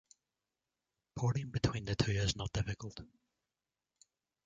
Porting between the two is not difficult.